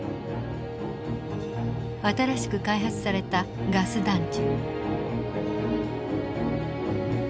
新しく開発されたガス弾銃。